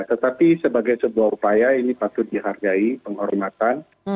tetapi sebagai sebuah upaya ini patut dihargai penghormatan